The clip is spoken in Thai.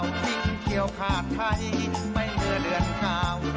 สิ่งเที่ยวขาดใครไม่เหลือเดือนกาว